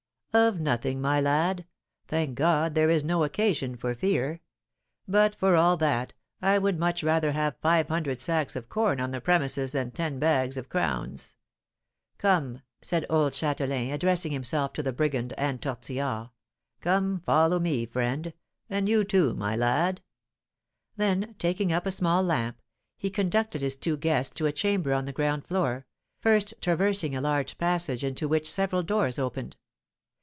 "Of nothing, my lad. Thank God, there is no occasion for fear. But, for all that, I would much rather have five hundred sacks of corn on the premises than ten bags of crowns. Come," said old Châtelain, addressing himself to the brigand and Tortillard, "come, follow me, friend; and you too, my lad." Then, taking up a small lamp, he conducted his two guests to a chamber on the ground floor, first traversing a large passage into which several doors opened.